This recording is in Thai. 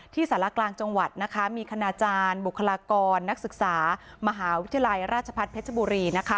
สารกลางจังหวัดมีคณาจารย์บุคลากรนักศึกษามหาวิทยาลัยราชพัฒน์เพชรบุรี